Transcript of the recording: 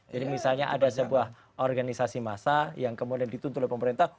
jadi misalnya ada sebuah organisasi massa yang kemudian dituntulai pemerintah